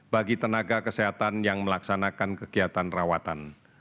bagi tenaga kesehatan yang melaksanakan kegiatan rawatan